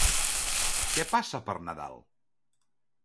Què passa per Nadal?